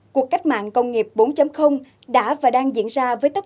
cục cách mạng công nghiệp bốn